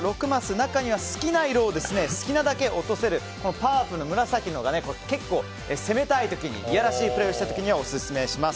中には好きな色を好きなだけ落とせる、パープルのものが攻めたい時にいやらしいプレーをしたい時にオススメします。